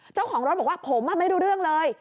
เจ้าของรถบอกว่าผมไม่รู้เรื่องเลย